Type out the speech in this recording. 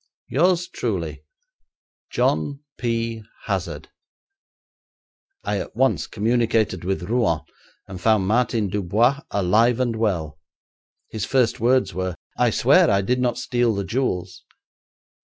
'Yours truly, 'JOHN P HAZARD.' I at once communicated with Rouen and found Martin Dubois alive and well. His first words were: 'I swear I did not steal the jewels.'